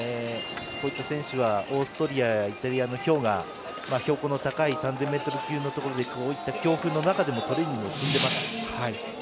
こういった選手はオーストリアやイタリア標高の高い３０００ｍ級のところで強風の中トレーニングを積んでいます。